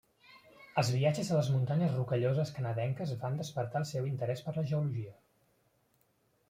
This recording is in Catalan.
Els viatges a les muntanyes Rocalloses canadenques van despertar el seu interès per la geologia.